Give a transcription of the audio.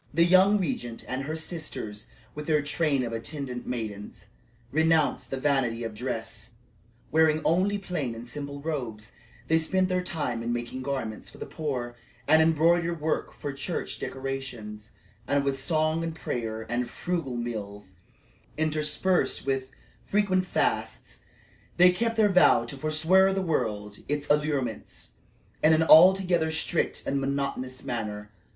The young regent and her sisters, with their train of attendant maidens, renounced the vanity of dress wearing only plain and simple robes; they spent their time in making garments for the poor, and embroidered work for church decorations; and with song and prayer and frugal meals, interspersed with frequent fasts, they kept their vow to "forswear the world and its allurements," in an altogether strict and monotonous manner.